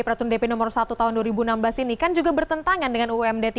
peraturan dp nomor satu tahun dua ribu enam belas ini kan juga bertentangan dengan umd tiga